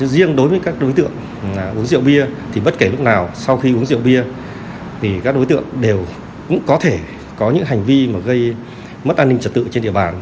riêng đối với các đối tượng uống rượu bia thì bất kể lúc nào sau khi uống rượu bia thì các đối tượng đều cũng có thể có những hành vi gây mất an ninh trật tự trên địa bàn